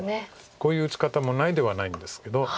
こういう打ち方もないではないんですけど。